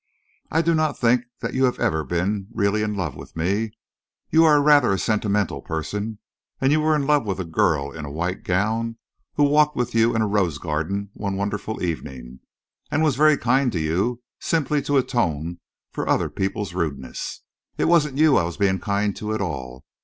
"I do not think that you have ever been really in love with me. You are rather a sentimental person, and you were in love with a girl in a white gown who walked with you in a rose garden one wonderful evening, and was very kind to you simply to atone for other people's rudeness. It wasn't you I was being kind to at all.